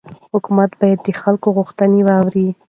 حکومت باید د خلکو غوښتنې واوري